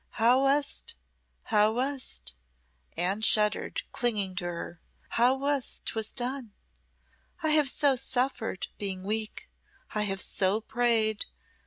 "How was't how was't?" Anne shuddered, clinging to her. "How was't 'twas done? I have so suffered, being weak I have so prayed!